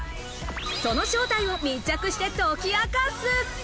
その正体を密着して解き明かす！